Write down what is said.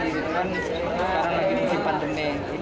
sekarang lagi disimpan demikian